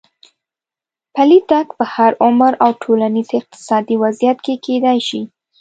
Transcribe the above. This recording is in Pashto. پلی تګ په هر عمر او ټولنیز اقتصادي وضعیت کې کېدای شي.